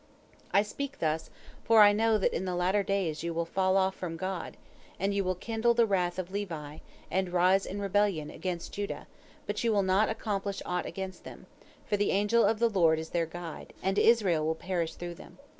"I speak thus, for I know that in the latter days you will fall off from God, and you will kindle the wrath of Levi, and rise in rebellion against Judah, but you will not accomplish aught against them, for the angel of the Lord is their guide, and Israel will perish through them.